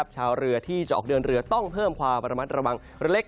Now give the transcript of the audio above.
ชาวเรือที่จะออกเดินเรือต้องเพิ่มความระมัดระวังเล็ก